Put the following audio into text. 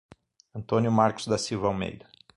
Antônio Marcos da Silva Almeida